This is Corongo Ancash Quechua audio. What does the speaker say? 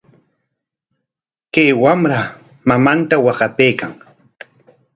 Chay wamra mamanta waqapaykan.